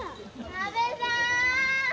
阿部さーん！